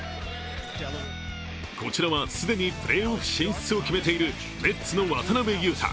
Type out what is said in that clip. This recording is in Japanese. こちらは、既にプレーオフ進出を決めているネッツの渡邊雄太。